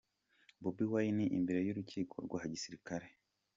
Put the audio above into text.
Bobi Wine imbere y’Urukiko rwa gisirikare